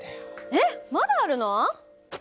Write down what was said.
えっまだあるの？